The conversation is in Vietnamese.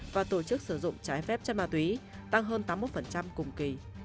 và tổ chức sử dụng trái phép chất ma túy tăng hơn tám mươi một cùng kỳ